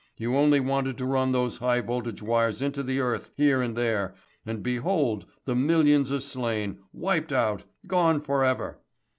You only wanted to run those high voltage wires into the earth here and there, and behold the millions are slain, wiped out, gone for ever.